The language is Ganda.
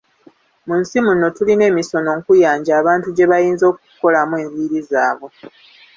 Mu nsi muno tulina emisono nkuyanja abantu gye bayinza okukolamu enviiri zaabwe.